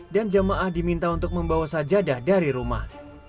dan jemaah diminta untuk membawa sajadah dari rumah